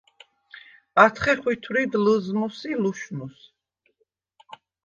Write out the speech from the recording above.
ათხე ხვითვრიდ ლჷზნუს ი ლუშნუს.